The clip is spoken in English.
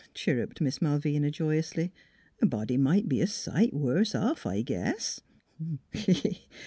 chir ruped Miss Malvina joyously. " A body might be a sight worse off, I guess.